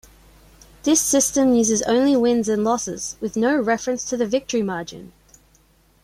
This system uses only wins and losses with no reference to the victory margin.